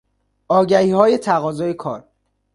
آگهیهای تقاضای کار